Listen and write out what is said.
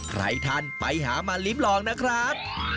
ใครทันไปหามาริมรองนะครับ